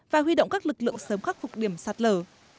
và huy động các lực lượng sớm khắc phục điểm sạt lở